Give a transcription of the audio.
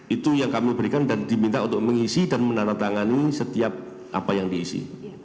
itu yang kami berikan dan diminta untuk mengisi dan menandatangani setiap apa yang diisi